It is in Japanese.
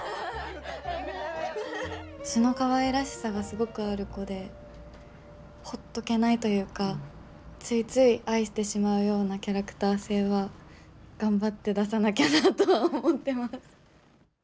素のかわいらしさがすごくある子でほっとけないというかついつい愛してしまうようなキャラクター性は頑張って出さなきゃなとは思ってます。